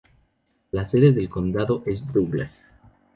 La sede de condado es Douglas.